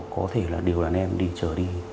có thể là đều là nem đi chở đi